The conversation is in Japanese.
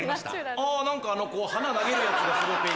あぁ何かあの花投げるやつがすごく。